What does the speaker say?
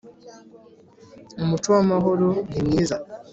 Umuco w’amahoro ni mwiza